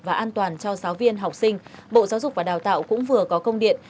và an toàn cho giáo viên học sinh bộ giáo dục và đào tạo cũng vừa có công điện